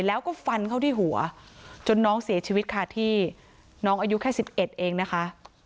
แล้วก็ฟันเข้าที่หัวจนน้องเสียชีวิตค่ะที่น้องอายุแค่๑๑เองนะคะ